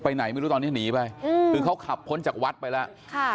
ไหนไม่รู้ตอนนี้หนีไปคือเขาขับพ้นจากวัดไปแล้วค่ะ